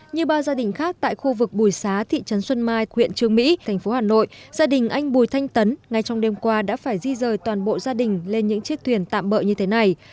như ba gia đình khác tại khu vực bùi xá thị trấn xuân mai huyện trương mỹ thành phố hà nội gia đình anh bùi thanh tấn ngay trong đêm qua đã phải di rời toàn bộ gia đình lên những chiếc thuyền tạm bỡ như thế này